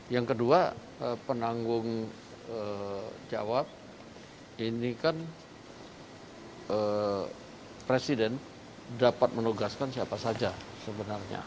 yang kedua penanggung jawab ini kan presiden dapat menugaskan siapa saja sebenarnya